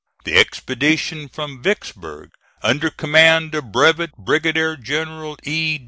The expedition from Vicksburg, under command of Brevet Brigadier General E.